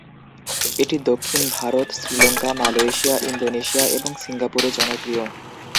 এটি দক্ষিণ Bharat, Sri Lanka, Malaysia, Indonesia এবং সিঙ্গাপুরে জনপ্রিয়।